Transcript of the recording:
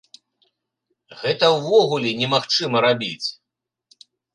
Гэта ўвогуле немагчыма рабіць!